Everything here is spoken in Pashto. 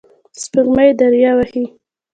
سپوږمۍ دریه وهي